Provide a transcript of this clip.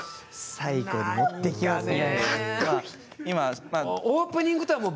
最後に持っていきますね。